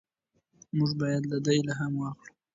موږ باید له ده الهام واخلو.